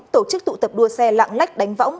tổ chức tụ tập đua xe lạng lách đánh võng